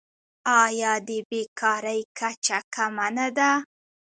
آیا د بیکارۍ کچه کمه نه ده؟